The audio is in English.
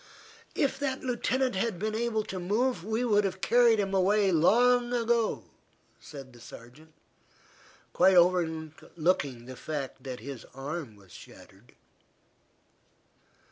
"If the Lieutenant had been able to move, we would have carried him away long ago," said the sergeant, quite overlooking the fact that his arm was shattered.